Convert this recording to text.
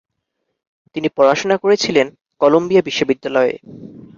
তিনি পড়াশোনা করেছিলেন কলম্বিয়া বিশ্ববিদ্যালয়ে।